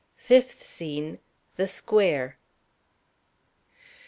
FIFTH SCENE. The Square.